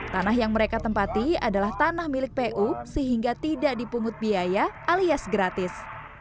tanah yang mereka tempati adalah tanah milik pu sehingga tidak dipungut biaya alias gratis